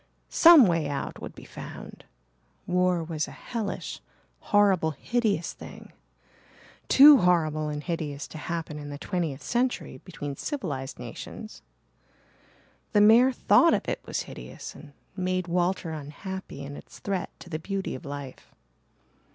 Some way out would be found. War was a hellish, horrible, hideous thing too horrible and hideous to happen in the twentieth century between civilized nations. The mere thought of it was hideous, and made Walter unhappy in its threat to the beauty of life.